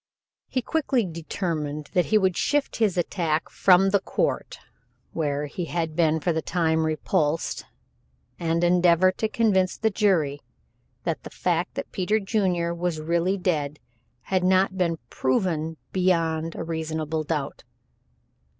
He quickly determined that he would shift his attack from the court, where he had been for the time repulsed, and endeavor to convince the jury that the fact that Peter Junior was really dead had not "been proven beyond a reasonable doubt."